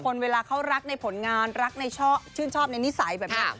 เวลาเขารักในผลงานรักชื่นชอบในนิสัยแบบนี้